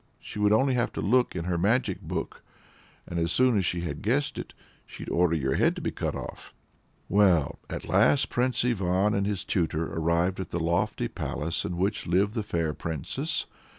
She would only have to look into her magic book, and as soon as she had guessed it, she'd order your head to be cut off." Well, at last Prince Ivan and his tutor arrived at the lofty palace in which lived the fair Princess.